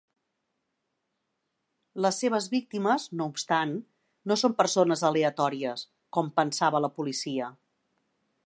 Les seves víctimes, no obstant, no són persones aleatòries, com pensava la policia.